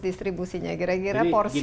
distribusinya gira gira porsi